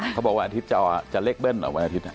เขาบอกว่าอาทิตย์จะเล็กเบ้นหรอวันอาทิตย์